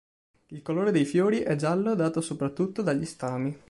Il colore dei fiori è giallo dato soprattutto dagli stami.